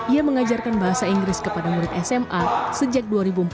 ia mengajarkan bahasa inggris kepada murid sma sejak dua ribu empat belas